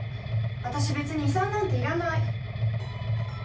私別に遺産なんていらない。